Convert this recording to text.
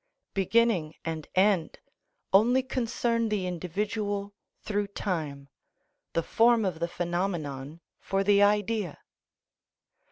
Beginning and end only concern the individual through time, the form of the phenomenon for the idea.